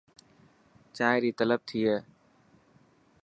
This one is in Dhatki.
چائين ري طلب ٿي هي.